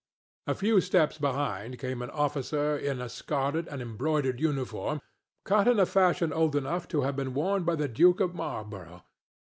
A few steps behind came an officer in a scarlet and embroidered uniform cut in a fashion old enough to have been worn by the duke of Marlborough.